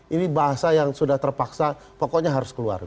ini bahasa yang sudah terpaksa pokoknya harus keluar